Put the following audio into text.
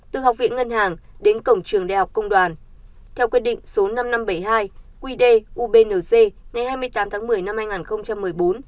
từ học viện ngân hàng đến cổng trường đại học công đoàn theo quy định số năm nghìn năm trăm bảy mươi hai quy đề ubnz ngày hai mươi tám tháng một mươi năm hai nghìn một mươi bốn